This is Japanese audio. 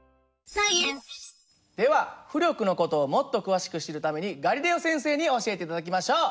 では浮力の事をもっと詳しく知るためにガリレオ先生に教えて頂きましょう。